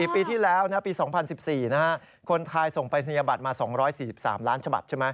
ปีที่แล้วปี๒๐๑๔คนไทยส่งปรายศนียบัตรมา๒๔๓ล้านฉบับใช่ไหม